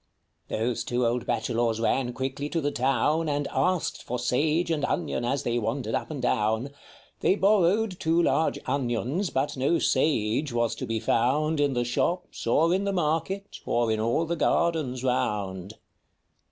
" Those two old Bachelors ran quickly to the town And asked for Sage and Onion as they wandered up and down ; Hosted by Google LAUGHABLE LYRICS. 1 3 They borrowed two large Onions, but no Sage was to be found In the Shops, or in the Market, or in all the Gardens round.